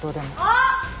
あっ！